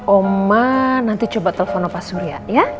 omah nanti coba telepon opa surya ya